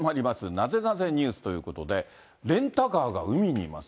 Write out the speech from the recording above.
ナゼナゼＮＥＷＳということで、レンタカーが海にいます。